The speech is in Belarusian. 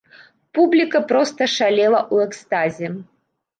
Публіка проста шалела ў экстазе!